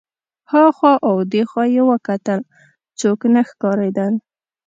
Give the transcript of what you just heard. هخوا او دېخوا یې وکتل څوک نه ښکارېدل.